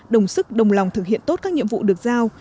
đồng sức đồng lòng thực hiện tốt các nhiệm vụ được giao